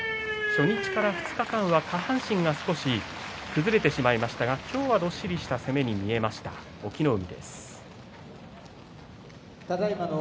初日から２日間は下半身が崩れてしまいましたが今日はどっしりした攻めに見えました隠岐の海です。